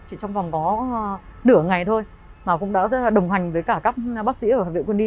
chỉ trong vòng có nửa ngày thôi mà cũng đã đồng hành với các bác sĩ ở học viện quân y